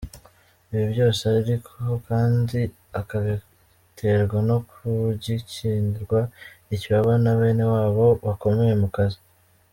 ibi byose ariko kandi akabiterwa no gukingirwa ikibaba na benewabo bakomeye mukazi.